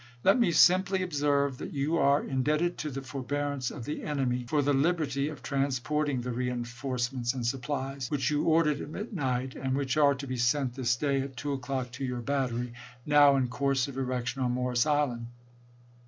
Let me simply observe, that you are indebted to the forbearance of the enemy for the liberty of transporting the reenforcements and supplies, which you ordered at midnight, and which are to be sent this day at 2 o'clock to your battery, now in course of erec tion on Morris Island.